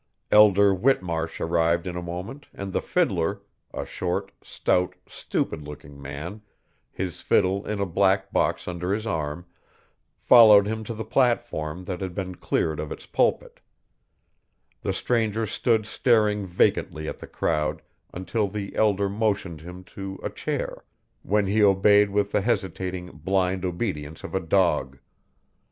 Elder Whitmarsh arrived in a moment and the fiddler, a short, stout, stupid looking man, his fiddle in a black box under his arm, followed him to the platform that had been cleared of its pulpit The stranger stood staring vacantly at the crowd until the elder motioned him to a chair, when he obeyed with the hesitating, blind obedience of a dog.